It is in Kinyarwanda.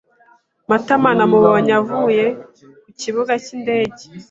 [Matama] Namubonye avuye ku kibuga cy'indege.